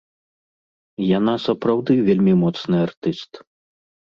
Яна сапраўды вельмі моцны артыст.